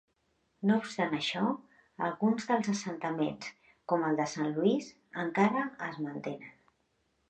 No obstant això, alguns dels assentaments, com el de Saint Louis, encara es mantenen.